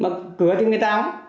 mà cửa thì người ta không